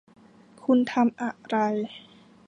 คุณทำอะไร